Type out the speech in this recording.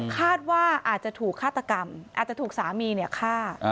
คาดว่าอาจจะถูกฆาตกรรมอาจจะถูกสามีฆ่า